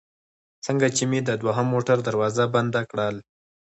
څنګه چې مې د دوهم موټر دروازه بنده کړل.